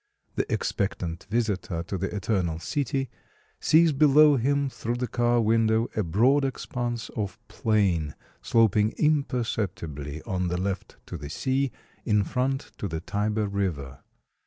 The expectant visitor to the Eternal City sees below him through the car window a broad expanse of plain, sloping imperceptibly on the left to the sea, in front to the Tiber River.